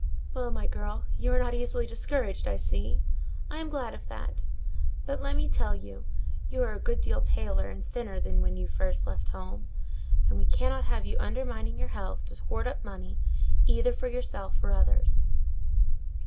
"Well, my girl, you are not easily discouraged, I see: I am glad of that. But, let me tell you, you are a good deal paler and thinner than when you first left home; and we cannot have you undermining your health to hoard up money either for yourself or others."